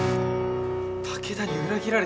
武田に裏切られた